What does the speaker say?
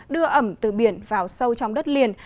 đưa ẩm từ biển vào sâu trong đất liền